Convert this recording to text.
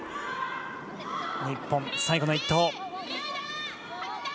日本、最後の一投。